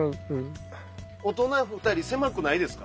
大人２人狭くないですか？